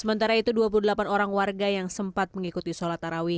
sementara itu dua puluh delapan orang warga yang sempat mengikuti sholat tarawih